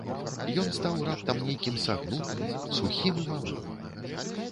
Ён стаў раптам нейкім сагнутым, сухім і малым.